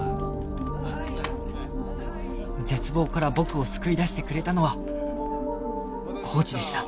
絶望から僕を救い出してくれたのはコーチでした